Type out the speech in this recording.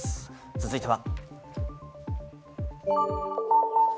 続いては。